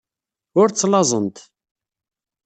Ur ttlaẓent.